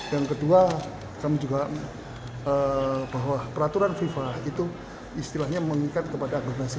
yang kedua kami juga bahwa peraturan fifa itu istilahnya mengikat kepada agregasi